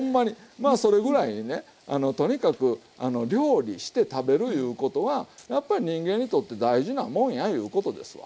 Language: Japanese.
まあそれぐらいにねとにかく料理して食べるいうことはやっぱり人間にとって大事なもんやいうことですわ。